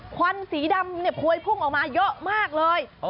ควันสีดำเนี่ยพวยพุ่งออกมาเยอะมากเลย